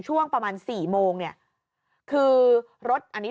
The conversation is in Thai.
ช่วงประมาณสี่โมงเนี่ย